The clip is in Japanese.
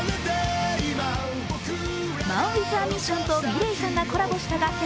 ＭＡＮＷＩＴＨＡＭＩＳＳＩＯＮとｍｉｌｅｔさんがコラボした楽曲